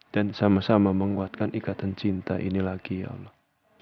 dan sama sama menguatkan ikatan cinta ini lagi ya allah